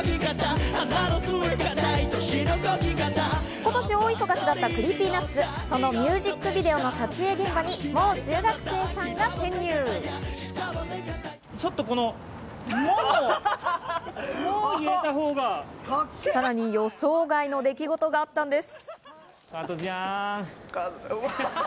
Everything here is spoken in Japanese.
今年大忙しだったＣｒｅｅｐｙＮｕｔｓ、そのミュージックビデオの撮影現場にもう中学生ささらに予想外の出来事があったんです。